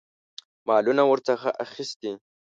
مالونه ورڅخه اخیستي.